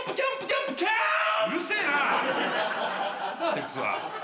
あいつは。